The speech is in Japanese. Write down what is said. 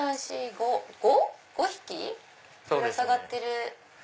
５匹ぶら下がってる。